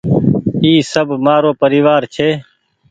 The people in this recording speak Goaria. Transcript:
اي سب مآرو پريوآر ڇي ۔